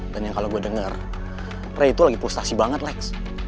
dan yang kalo gue denger ray itu lagi pustasi banget lex